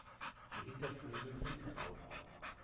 Die Hinterflügel sind grau.